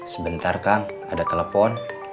sebentar kang ada telepon